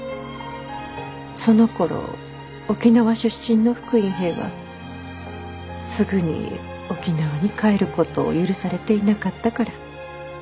そのころ沖縄出身の復員兵はすぐに沖縄に帰ることを許されていなかったから。